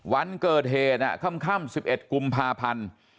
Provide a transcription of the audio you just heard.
วันเกิดเหตุค่ำ๑๑กุมภาพันธ์